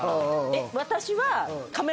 私は。